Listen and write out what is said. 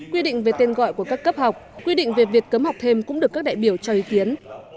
quy định về tên gọi của các cấp học quy định về việc cấm học thêm cũng được các đại biểu cho ý kiến